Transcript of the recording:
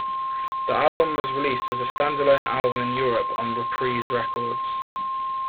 The album was released as a standalone album in Europe on Reprise Records.